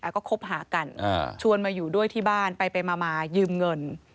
ก็คบหากันชวนมาอยู่ด้วยที่บ้านไปมายืมเงิน